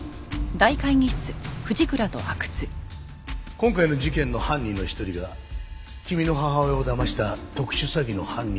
今回の事件の犯人の一人が君の母親をだました特殊詐欺の犯人と同じ。